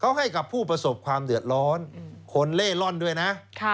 เขาให้กับผู้ประสบความเดือดร้อนคนเล่ร่อนด้วยนะ